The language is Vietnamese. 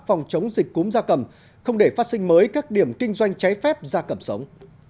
phòng chống dịch cúm da cầm không để phát sinh mới các điểm kinh doanh trái phép ra cầm sống